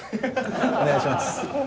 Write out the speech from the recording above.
お願いします